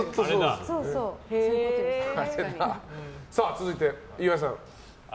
続いて、岩井さん。